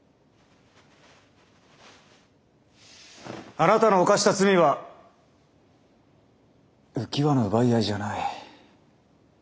あなたの犯した罪は浮き輪の奪い合いじゃない。